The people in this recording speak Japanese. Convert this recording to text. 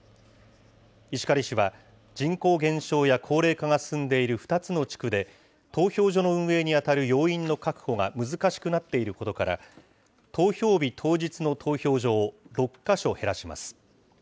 石狩市は人口減少や高齢化が進んでいる２つの地区で、投票所の運営に当たる要員の確保が難しくなっていることから、投票日当日の投票所を６か所減らします。